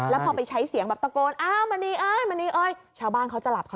แล้วพอไปใช้เสียงแบบตะโกนมานี่ชาวบ้านเขาจะหลับ